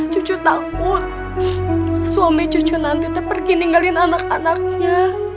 cucu takut suami cucu nanti pergi ninggalin anak anaknya